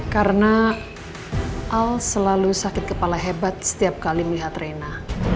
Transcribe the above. karena al selalu sakit kepala hebat setiap kali melihat reina